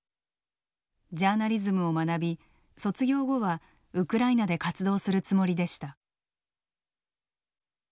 ジャーナリズムを学び卒業後はウクライナで活動するつもりでした。